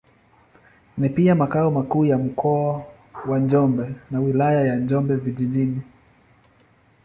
Ni pia makao makuu ya Mkoa wa Njombe na Wilaya ya Njombe Vijijini.